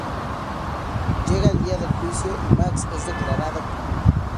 Llega el día del juicio y Max es declarado culpable.